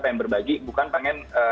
pengen berbagi bukan pengen